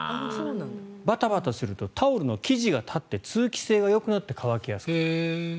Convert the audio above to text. バタバタするとタオルの生地が立って通気性がよくなって乾きやすくなる。